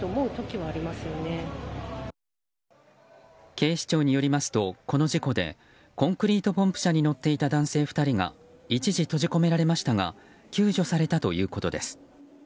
警視庁によりますとこの事故でコンクリートポンプ車に乗っていた男性２人が一時閉じ込められましたが救助されたということです。